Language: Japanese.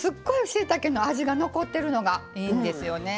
しいたけの味が残ってるのがいいんですよね。